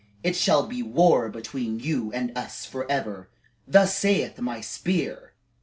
It shall be war between you and us forever. Thus saith my spear!"